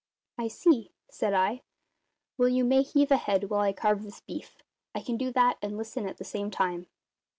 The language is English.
"I see," said I. "Well, you may heave ahead while I carve this beef. I can do that and listen at the same time."